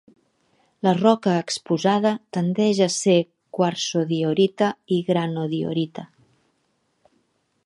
La roca exposada tendeix a ser quarsodiorita i granodiorita.